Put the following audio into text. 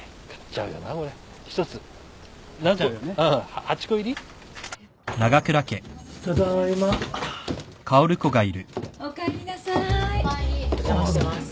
お邪魔してます。